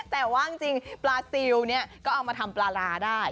แต่ว่าจริงปลาซิลเนี่ยก็เอามาทำปลาร้าได้